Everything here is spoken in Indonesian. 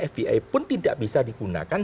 fpi pun tidak bisa digunakan